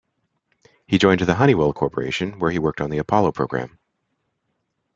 He joined the Honeywell Corporation where he worked on the Apollo program.